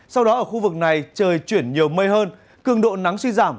sau đó ở khu vực này trời chuyển nhiều mây hơn cường độ nắng suy giảm